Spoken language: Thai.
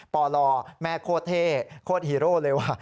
ปลแม่โคตรเท่โคตรฮีโร่เลยว่ะ